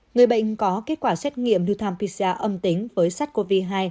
người bệnh có kết quả xét nghiệm ritam pcr âm tính với sát covid hai